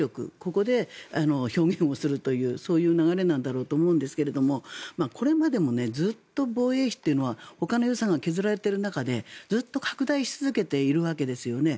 ここで表現するというそういう流れなんだろうと思うんですけどこれがずっと防衛費というのはほかの予算が削られている中でずっと拡大し続けているわけですよね。